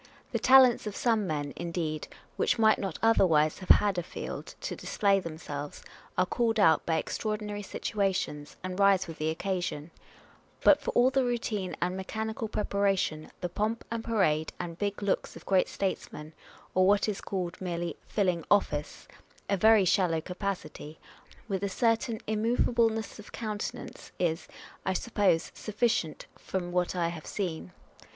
1 The talents of some men, indeed, which might not otherwise have had a field to display themselves, are called out by extraordinary situa tions, and rise with the occasion ; but for all the routine and mechanical preparation, the pomp and parade and big looks of great statesmen, or what is called merely filling office, a very shallow capacity, with a certain immov ableness of countenance, is, I should suppose, sufficient, from what I have seen.